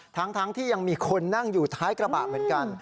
ทั้งที่ยังมีคนนั่งอยู่ท้ายกระบะเหมือนกัน